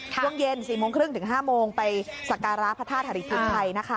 ช่วงเย็น๔โมงครึ่งถึง๕โมงไปสักการะพระธาตุธริพุทธไทยนะคะ